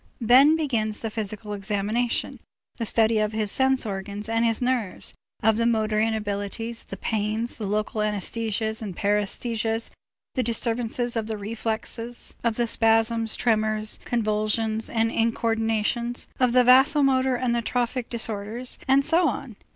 Then begins the physical examination, the study of his sense organs and his nerves, of the motor inabilities, the pains, the local anæsthesias and paræsthesias, the disturbances of the reflexes, of the spasms, tremors, convulsions, and incoördinations, of the vasomotor and trophic disorders, and so on.